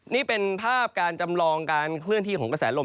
นี่เป็นภาพการจำลองการเคลื่อนที่ของกระแสลม